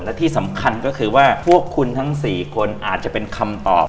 และที่สำคัญก็คือว่าพวกคุณทั้ง๔คนอาจจะเป็นคำตอบ